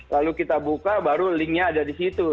lalu kita buka baru linknya ada di situ